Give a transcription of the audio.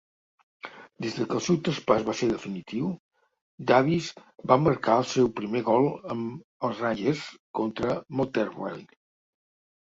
Des que el seu traspàs va ser definitiu, Davis va marcar el seu primer gol amb els Rangers contra Motherwell.